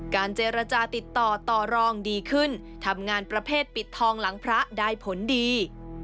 เจรจาติดต่อต่อรองดีขึ้นทำงานประเภทปิดทองหลังพระได้ผลดี